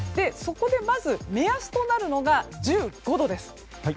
そこで、まず目安となるのが１５度です。